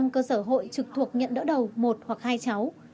một trăm linh cơ sở hội trực thuộc nhận đỡ đầu một hoặc hai cháu